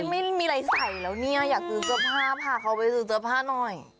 ไม่มีอะไรใส่แล้วเนี่ยอยากซื้อเสื้อผ้าพาเขาไปซื้อเสื้อผ้าหน่อย